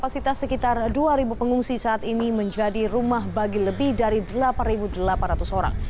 kapasitas sekitar dua pengungsi saat ini menjadi rumah bagi lebih dari delapan delapan ratus orang